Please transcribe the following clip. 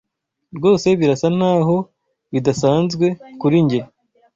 rwose birasa naho bidasanzwe kuri njye